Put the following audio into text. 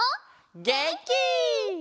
げんき！